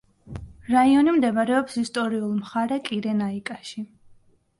რაიონი მდებარეობს ისტორიულ მხარე კირენაიკაში.